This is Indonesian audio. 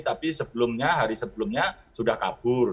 tapi sebelumnya hari sebelumnya sudah kabur